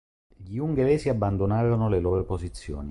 Gli Ungheresi abbandonarono le loro posizioni.